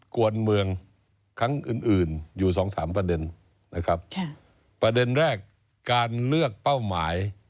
กวนเมืองครั้งอื่นอื่นอยู่สองสามประเด็นนะครับค่ะประเด็นแรกการเลือกเป้าหมาย